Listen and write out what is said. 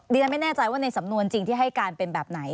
ฉันไม่แน่ใจว่าในสำนวนจริงที่ให้การเป็นแบบไหน